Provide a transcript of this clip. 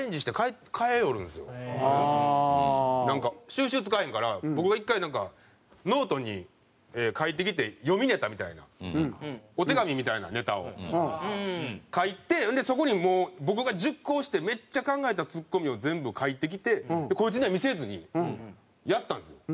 収拾つかへんから僕が１回なんかノートに書いてきて読みネタみたいなお手紙みたいなネタを書いてほんでそこに僕が熟考してめっちゃ考えたツッコミを全部書いてきてこいつには見せずにやったんですよ。